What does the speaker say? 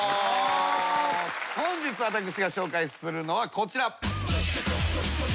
本日私が紹介するのはこちら。